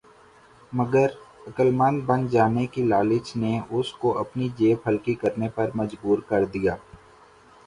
مگر عقل مند بن جانے کی لالچ نے اس کو اپنی جیب ہلکی کرنے پر مجبور کر دیا۔